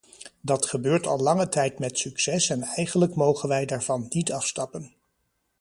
Dat gebeurt al lange tijd met succes en eigenlijk mogen wij daarvan niet afstappen.